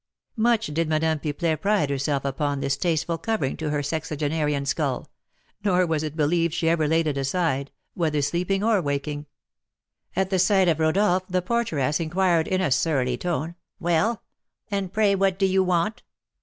Much did Madame Pipelet pride herself upon this tasteful covering to her sexagenarian skull; nor was it believed she ever laid it aside, whether sleeping or waking. At the sight of Rodolph the porteress inquired, in a surly tone: "Well, and pray what do you want?"